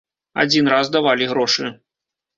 Адзін раз давалі грошы.